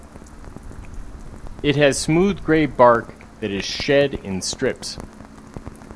It has smooth grey bark that is shed in strips.